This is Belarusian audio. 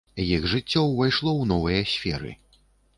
Іх жыццё ўвайшло ў новыя сферы.